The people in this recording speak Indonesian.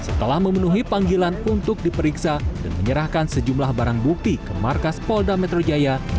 setelah memenuhi panggilan untuk diperiksa dan menyerahkan sejumlah barang bukti ke markas polda metro jaya